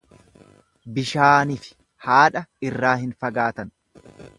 Bishaanifi haadha irraa hin fagaatan.